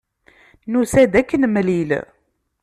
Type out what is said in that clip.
Nusa-d ad k-nemlil.